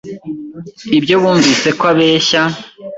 iyo bumvise ko abeshya